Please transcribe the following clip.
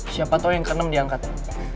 siapa tau yang ke enam diangkat ya